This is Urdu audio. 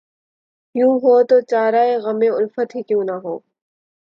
یوں ہو‘ تو چارۂ غمِ الفت ہی کیوں نہ ہو